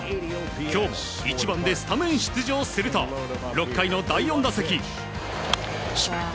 今日も１番でスタメン出場すると６回の第４打席。